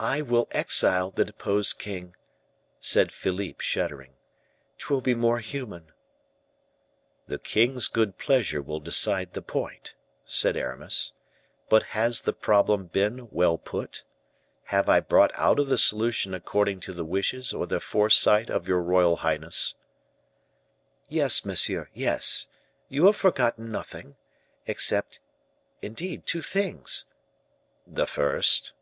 "I will exile the deposed king," said Philippe, shuddering; "'twill be more human." "The king's good pleasure will decide the point," said Aramis. "But has the problem been well put? Have I brought out of the solution according to the wishes or the foresight of your royal highness?" "Yes, monsieur, yes; you have forgotten nothing except, indeed, two things." "The first?"